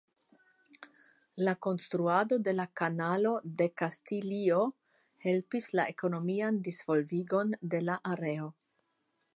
La konstruado de la Kanalo de Kastilio helpis la ekonomian disvolvigon de la areo.